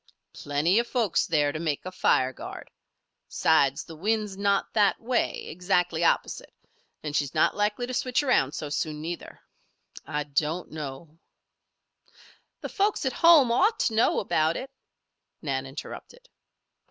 "Plenty of folks there to make a fire guard. Besides, the wind's not that way, exactly opposite. And she's not likely to switch around so soon, neither. I, don't, know" "The folks at home ought to know about it," Nan interrupted.